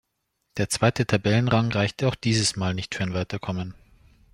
Der zweite Tabellenrang reichte aber auch dieses Mal nicht für ein Weiterkommen.